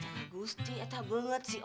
agusti itu banget sih